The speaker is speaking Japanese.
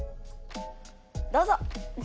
どうぞ。